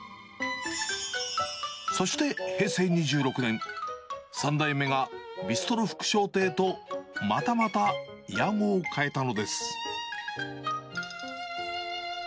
そして平成２６年、３代目がビストロ福昇亭とまたまた屋号を変えたのです。